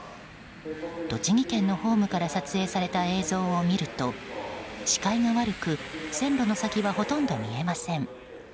栃木県のホームから撮影された映像を見ると視界が悪く線路の先はほとんど見えません。